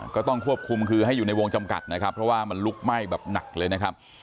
ก็ต้องควบคุมคือให้อยู่ในวงจำกัดนะครับเพราะว่ามันลุกไหม้แบบหนักเลยนะครับ